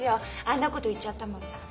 あんなこと言っちゃったもん。